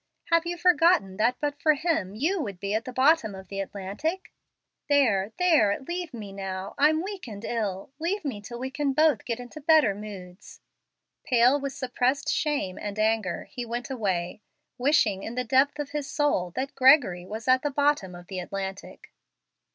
Have you forgotten that but for him you would have been at the bottom of the Atlantic? There, there, leave me now, I'm weak and ill leave me till we both can get into better moods." Pale with suppressed shame and anger, he went away, wishing in the depth of his soul that Gregory was at the bottom of the Atlantic.